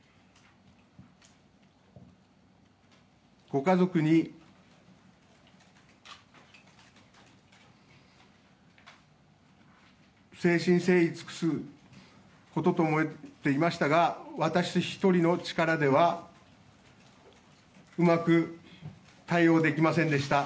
ご家族に誠心誠意尽くすことと思っていましたが私一人の力ではうまく対応できませんでした。